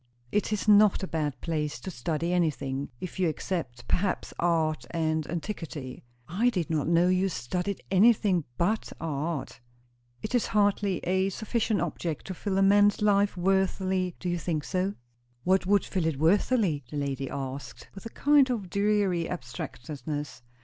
"It is not a bad place to study anything; if you except, perhaps, art and antiquity." "I did not know you studied anything but art." "It is hardly a sufficient object to fill a man's life worthily; do you think so?" "What would fill it worthily?" the lady asked, with a kind of dreary abstractedness.